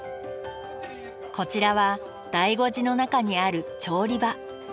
こちらは醍醐寺の中にある調理場。